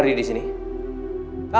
ya ini juga